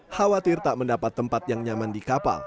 khawatir tak mendapat tempat yang nyaman di kapal